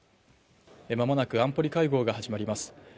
間もなく安保理会合が始まります。